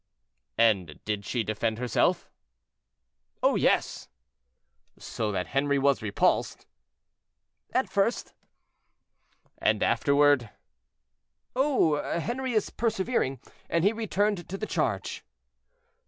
"And did she defend herself?" "Oh, yes!" "So that Henri was repulsed?" "At first." "And afterward?" "Oh! Henri is persevering, and he returned to the charge."